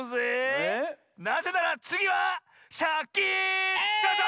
なぜならつぎは「シャキーン！」どうぞ！